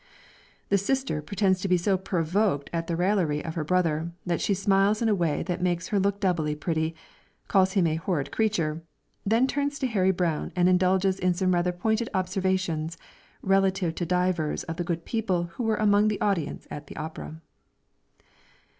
The sister pretends to be so provoked at the raillerie of her brother, that she smiles in a way that makes her look doubly pretty, calls him a "horrid creature," then turns to Harry Brown and indulges in some rather pointed observations, relative to divers of the good people who were among the audience at the opera.